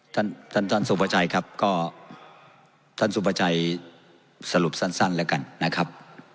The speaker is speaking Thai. ท่านท่านสุภาชัยครับก็ท่านสุภาชัยสรุปสั้นแล้วกันนะครับ